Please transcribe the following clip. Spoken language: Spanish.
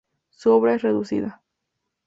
Su obra es reducida.